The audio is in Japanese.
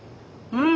うん！